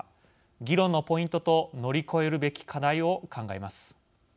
議論のポイントと乗り越えるべき課題を考えます。